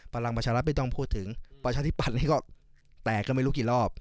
ประหลังประชาลัพธ์ไม่ต้องพูดถึงประชาที่ปัดนี่ก็แตกก็ไม่รู้กี่รอบ